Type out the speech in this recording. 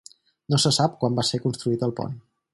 No se sap quan va ser construït el pont.